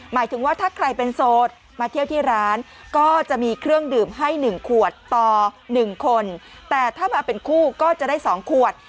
หมายถึงว่าถ้าใครเป็นโสดมาเที่ยวที่ร้านก็จะมีเครื่องดื่มให้๑ขวดต่อ๑คนแต่ถ้ามาเป็นคู่ก็จะได้๒ขวด